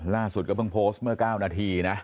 ล่าสุดก็เพิ่งโพสต์เมื่อ๙นาทีนะ